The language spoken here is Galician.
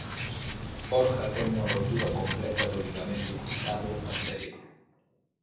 Borja ten unha rotura completa do ligamento cruzado anterior.